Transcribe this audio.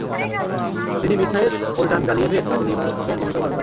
তিনি মিরসায়েত সোল্টানগালিয়েভের কার্যনির্বাহকের ভূমিকাও পালন করেন।